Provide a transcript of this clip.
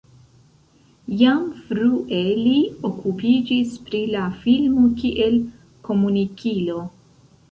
Jam frue li okupiĝis pri la filmo kiel komunikilo.